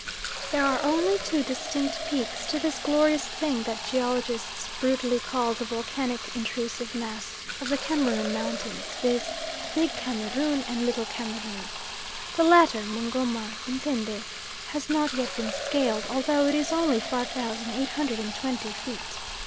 There are only two distinct peaks to this glorious thing that geologists brutally call the volcanic intrusive mass of the Cameroon Mountains, viz., Big Cameroon and Little Cameroon. The latter, Mungo Mah Etindeh, has not yet been scaled, although it is only 5,820 feet.